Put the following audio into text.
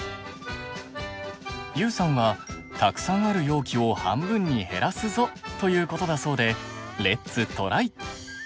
ＹＯＵさんは「たくさんある容器を半分に減らすぞ」ということだそうでレッツトライ！